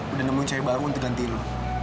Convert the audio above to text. udah nemuin cewek baru untuk gantiin lo